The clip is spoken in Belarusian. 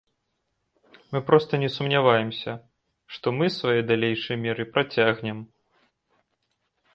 Мы проста не сумняваемся, што мы свае далейшыя меры працягнем.